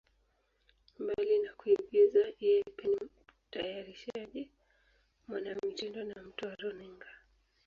Mbali na kuigiza, yeye pia ni mtayarishaji, mwanamitindo na mtu wa runinga.